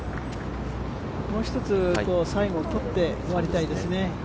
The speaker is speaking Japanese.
もう一つ最後とって終わりたいですね。